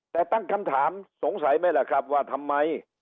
แต่ตั้งคำถามสงสัยไหมล่ะครับว่าทำไม